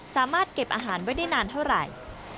สามารถเก็บอาหารไว้ได้นานเท่าไหร่